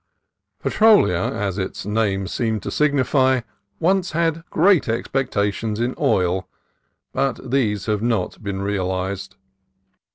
Petrolia, as its name seemed to signify, once had great expectations in oil, but these have not been realized.